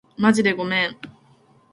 まじでごめん